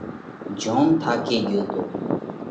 جوم ٿاڪي ڳيو تو۔